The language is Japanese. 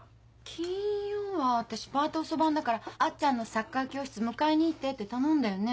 金曜は私パート遅番だからあっちゃんのサッカー教室迎えに行ってって頼んだよね？